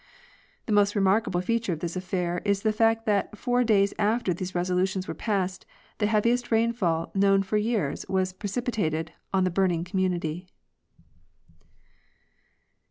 '"' The most remarkable feature of this affair is the fact that four days after these resolutions were passed the heaviest rainfall known for years was precipitated on the burning community.